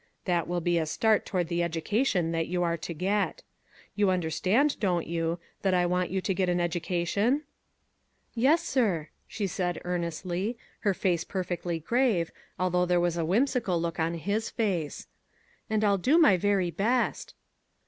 That will be a start toward the education that you are to get. You understand, don't you, that I want you to get an education ?"" Yes, sir," she said earnestly, her face per fectly grave, although there was a whimsical look on his face, " and I'll do my very best."